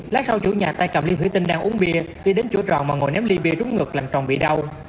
lát sau chủ nhà tay cầm ly hủy tinh đang uống bia đi đến chỗ tròn mà ngồi ném ly bia trúng ngực làm tròn bị đau